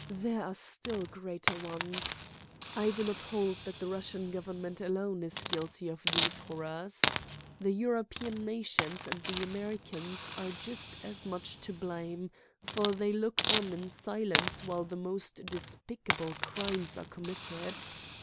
There are still greater ones. I do not hold that the Russian Gov ernment alone is guilty of these horrors. The Eu ropean nations and the Americans are just as much to blame, for they look on in silence while the most despicable crimes are committed.